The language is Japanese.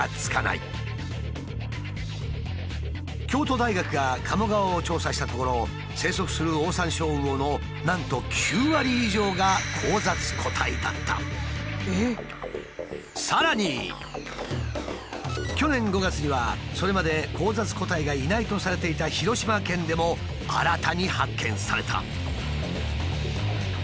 京都大学が鴨川を調査したところ生息するオオサンショウウオのなんとさらに去年５月にはそれまで交雑個体がいないとされていた広島県でも新たに発見された。